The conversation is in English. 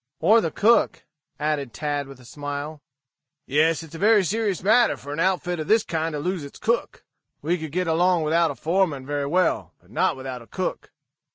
"Or the cook," added Tad, with a smile. "Yes; it's a very serious matter for an outfit of this kind to lose its cook. We could get along without a foreman very well, but not without a cook."